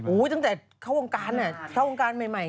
กี่ปีตั้งแต่เข้าโรงการแบบแบบใหม่